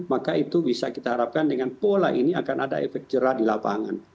maka itu bisa kita harapkan dengan pola ini akan ada efek jerah di lapangan